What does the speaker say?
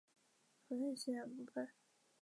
弗内斯两部分。